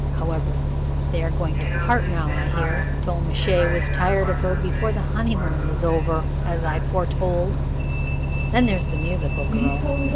However, they are going to part now, I hear: Tollemache was tired of her before the honey moon was over, as I foretold. Then there's the musical girl.